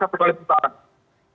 kalau pemilu satu kali perusahaan